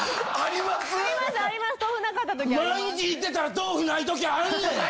毎日行ってたら豆腐ない時あんねん！